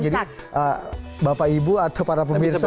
jadi bapak ibu atau para pemirsa ya